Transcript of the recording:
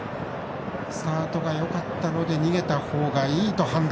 スタートがよかったので逃げたほうがいいと判断。